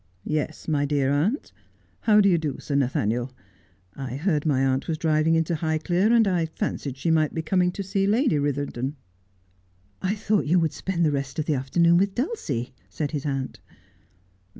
' Yes, my dear aunt. How do you do, Sir Nathaniel ? I heard my aunt was driving into Highclere, and I fancied she might be coming to see Lady Bitherdon.' ' I thought you would spend the rest of the afternoon with Dulcie,' said his aunt.